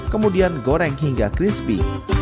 kemudian goreng hingga crispy